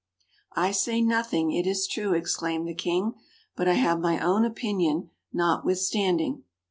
"I say nothing, it is true," exclaimed the King; "but I have my own opinion, notwithstanding."